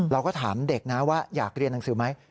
เราก็ถามเด็กนะว่าอยากเรียนหนังสือไหม